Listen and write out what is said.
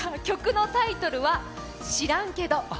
曲のタイトルは「しらんけど」。